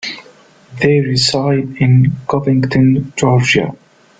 They reside in Covington, Georgia.